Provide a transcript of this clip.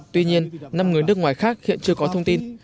tuy nhiên năm người nước ngoài khác hiện chưa có thông tin